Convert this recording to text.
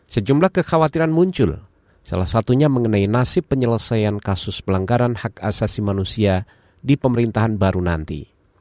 sejumlah kekhawatiran muncul salah satunya mengenai nasib penyelesaian kasus pelanggaran hak asasi manusia di pemerintahan baru nanti